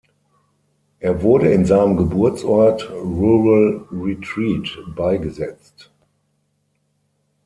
Er wurde in seinem Geburtsort Rural Retreat beigesetzt.